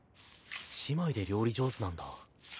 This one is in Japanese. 姉妹で料理上手なんだ。